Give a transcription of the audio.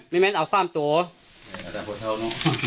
ไม่แม่งซึ่งสวนเซน